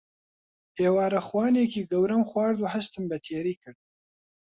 ئێوارەخوانێکی گەورەم خوارد و هەستم بە تێری کرد.